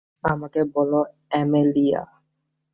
আমাকে বলো, অ্যামেলিয়া।